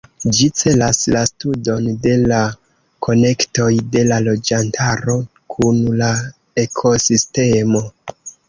Ĝi celas la studon de la konektoj de la loĝantaro kun la ekosistemo.